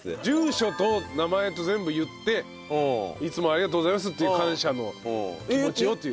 住所と名前と全部言っていつもありがとうございますっていう感謝の気持ちを。